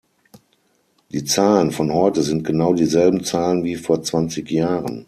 Die Zahlen von heute sind genau dieselben Zahlen wie vor zwanzig Jahren.